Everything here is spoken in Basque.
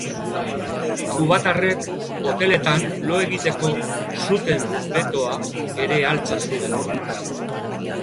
Kubatarrek hoteletan lo egiteko zuten betoa ere altxa zuen.